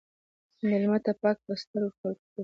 مېلمه ته پاک بستر ورکول مهم دي.